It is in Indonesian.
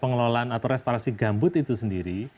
pengelolaan atau restorasi gambut itu sendiri